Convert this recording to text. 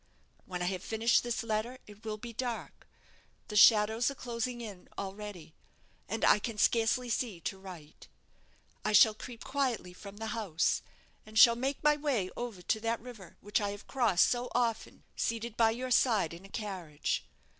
When I have finished this letter it will be dark the shadows are closing in already, and I can scarcely see to write. I shall creep quietly from the house, and shall make my way over to that river which I have crossed so often, seated by your side in a carriage.